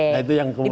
nah itu yang kemudian